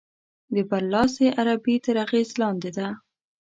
د برلاسې عربي تر اغېز لاندې ده.